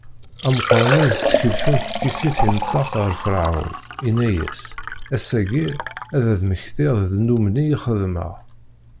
Ameqran-nni yestkellfen s tissit inṭeq ɣer Ferɛun, inna-as: Ass-agi, ad d-mmektiɣ ddnub-nni i xedmeɣ.